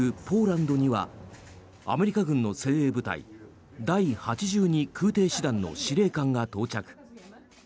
ポーランドにはアメリカ軍の精鋭部隊第８２空挺師団の司令官が到着。